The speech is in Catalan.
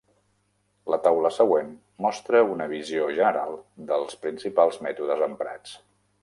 La taula següent mostra una visió general dels principals mètodes emprats.